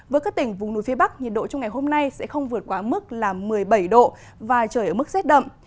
với các tỉnh vùng núi phía bắc nhiệt độ trong ngày hôm nay sẽ không vượt quá mức là một mươi bảy độ và trời ở mức rét đậm